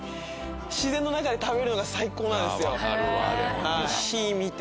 自然の中で食べるのが最高なんですよ。